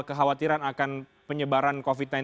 kekhawatiran akan penyebaran covid sembilan belas